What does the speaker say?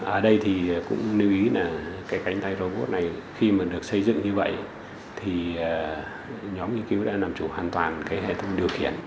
ở đây thì cũng lưu ý là cái cánh tay robot này khi mà được xây dựng như vậy thì nhóm nghiên cứu đã làm chủ hoàn toàn cái hệ thống điều khiển